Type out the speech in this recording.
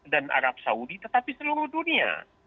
dan arab saudi tetapi seluruh dunia